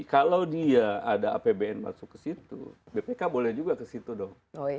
kalau dia ada apbn masuk ke situ bpk boleh juga ke situ dong